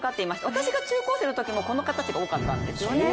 私が中高生のときもこの形が多かったんですよね。